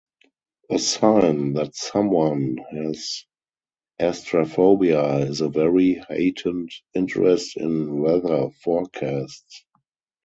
A sign that someone has astraphobia is a very heightened interest in weather forecasts.